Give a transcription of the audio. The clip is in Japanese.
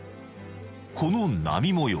この波模様